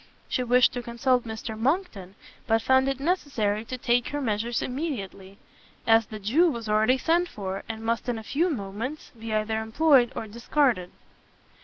She wished to consult Mr. Monckton, but found it necessary to take her measures immediately, as the Jew was already sent for, and must in a few moments be either employed or discarded.